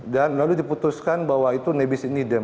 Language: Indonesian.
dan lalu diputuskan bahwa itu nebis in idem